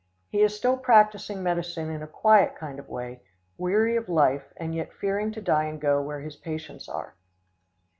He is still practicing medicine in a quiet kind of way, weary of life, and yet fearing to die and go where his patients are.